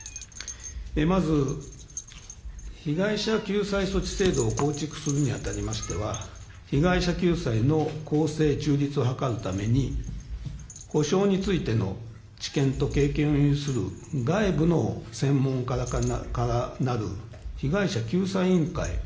まず、被害者救済措置制度を構築するにあたりましては被害者救済の公正・中立を図るために補償についての知見と経験を有する外部の専門家からなる被害者救済委員会。